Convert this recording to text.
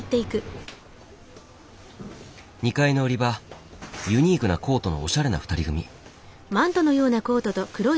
２階の売り場ユニークなコートのおしゃれな２人組。